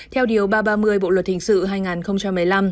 theo điều ba trăm ba mươi bộ luật hình sự hai nghìn một mươi năm